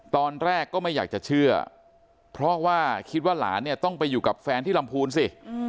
ตอนแรกก็ไม่อยากจะเชื่อเพราะว่าคิดว่าหลานเนี่ยต้องไปอยู่กับแฟนที่ลำพูนสิ